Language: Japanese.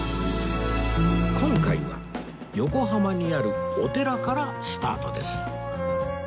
今回は横浜にあるお寺からスタートです